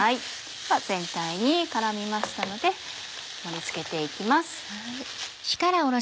全体に絡みましたので盛り付けて行きます。